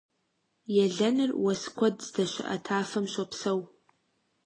Елэныр уэс куэд здэщыӀэ тафэм щопсэу.